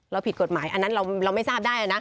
ผิดกฎหมายอันนั้นเราไม่ทราบได้นะ